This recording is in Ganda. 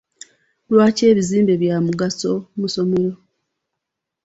Lwaki ebizimbe bya mugaso mu ssomero?